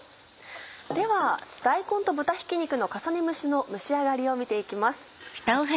では大根と豚ひき肉の重ね蒸しの蒸し上がりを見て行きます。